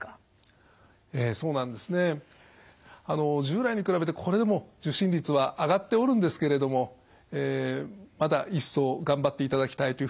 従来に比べてこれでも受診率は上がっておるんですけれどもまだ一層頑張っていただきたいというふうに思います。